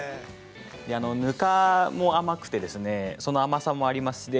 ぬかも甘くてその甘さもあります。